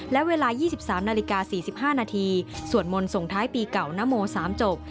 และเวลา๒๓นาฬิกา๔๕นาทีสวดมนต์ส่งท้ายปีเก่านโม๓จบ